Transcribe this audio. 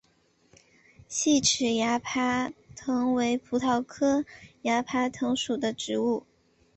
细齿崖爬藤为葡萄科崖爬藤属的植物。